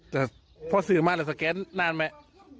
ครับเพราะสื่อมากเลยสแกนนานไหม